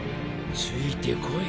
ついて来い。